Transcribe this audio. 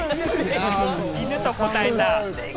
犬と答えた。